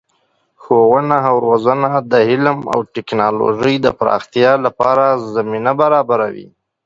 ښوونه او روزنه د علم او تکنالوژۍ د پراختیا لپاره زمینه برابروي.